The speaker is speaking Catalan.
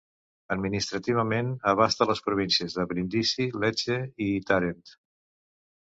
Administrativament abasta les províncies de Bríndisi, Lecce i Tàrent.